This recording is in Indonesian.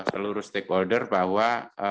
semua stakeholder bahwa